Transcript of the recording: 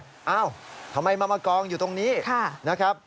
เอ้าทำไมมากองอยู่ตรงนี้นะครับ